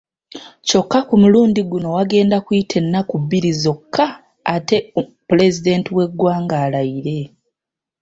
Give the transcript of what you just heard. Kyokka ku mulundi guno wagenda kuyita ennaku bbiri zokka ate Pulezidenti w'eggwanga alayire